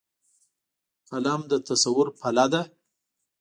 قلم د تصور پله ده